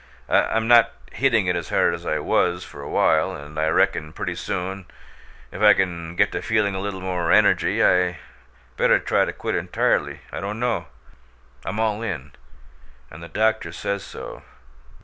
I I'm not hitting it as hard as I was for a while, and I reckon pretty soon, if I can get to feeling a little more energy, I better try to quit entirely I don't know. I'm all in and the doctor says so.